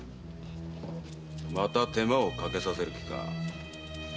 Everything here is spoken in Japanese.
また手間をかけさせる気か？